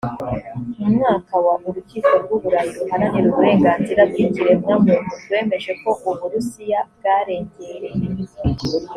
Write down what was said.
mu mwaka wa urukiko rw u burayi ruharanira uburenganzira bw ikiremwamuntu rwemeje ko u burusiya bwarengereye